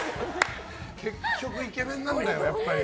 結局イケメンなんだよやっぱり。